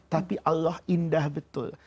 tapi allah indah betul